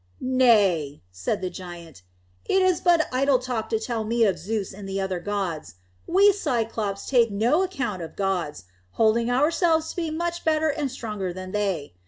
"Nay," said the giant, "it is but idle talk to tell me of Zeus and the other gods. We Cyclopes take no account of gods, holding ourselves to be much better and stronger than they.